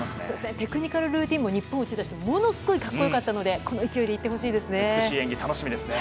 テクニカルルーティンも日本が打ち出してものすごい格好良かったのでこの勢いでいってほしいですね。